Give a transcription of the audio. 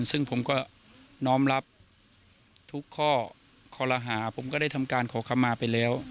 ซึ่งผมก็น้อมรับทุกข้อคอรหาผมก็ได้ทำการขอคำมาไปแล้ว